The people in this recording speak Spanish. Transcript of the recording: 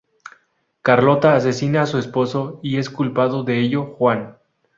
Carlota asesina a su esposo y es culpado de ello Juan.